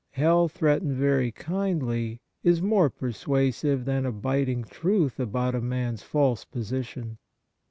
Hell threatened very kindly is more persuasive than a biting truth about a man's false position.